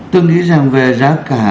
tôi nghĩ rằng về giá cả